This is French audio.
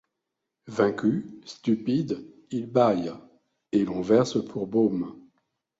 Vaincu, stupide, il bâille ; et l’on verse pour baume